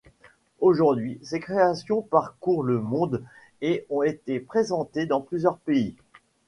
Aujourd'hui, ses créations parcourent le monde et ont été présenté dans plusieurs pays.